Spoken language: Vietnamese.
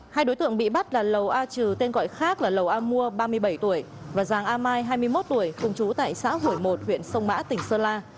hai đối tượng bị bắt là lầu a trừ tên gọi khác là lầu a mua ba mươi bảy tuổi và giàng a mai hai mươi một tuổi cùng chú tại xã hủy một huyện sông mã tỉnh sơn la